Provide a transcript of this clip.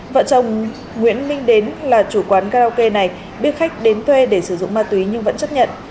vợ chồng nguyễn minh đến là chủ quán karaoke này biết khách đến thuê để sử dụng ma túy nhưng vẫn chấp nhận